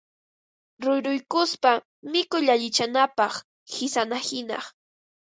ruyruykuspa mikuy allichanapaq, qisanahina